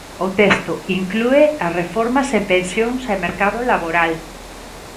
O texto inclúe as reformas en pensións e mercado laboral.